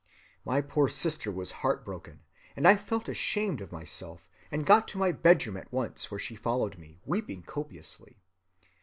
My poor sister was heart‐broken; and I felt ashamed of myself and got to my bedroom at once, where she followed me, weeping copiously.